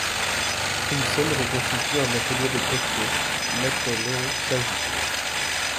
Une scène reconstitue un atelier de potier, Maître Léon Sagy.